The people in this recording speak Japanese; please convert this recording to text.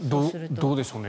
どうでしょうね。